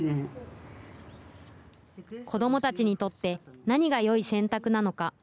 子どもたちにとって、何がよい選択なのか。